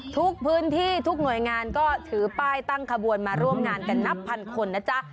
ทุกพื้นที่ทุกหน่วยงานก็ถือป้ายตั้งขบวนมาร่วมงานกันนับพันคนนะจ๊ะ